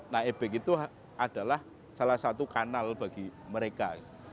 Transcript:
nah ebek itu adalah salah satu kanal bagi mereka